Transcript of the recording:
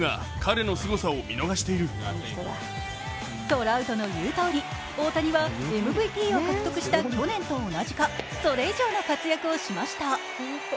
トラウトの言うとおり、大谷はＭＶＰを獲得した去年と同じか、それ以上の活躍をしました。